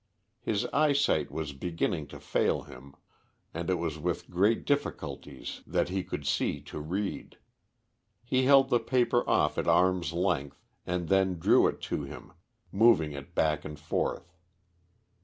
His eyesight was beginning to fail him; and it was with great difficulties that he could see to read. He held the paper off at arm's length, and then drew it to him, moving it back and forth.